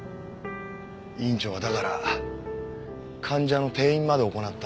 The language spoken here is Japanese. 院長はだから患者の転院まで行った。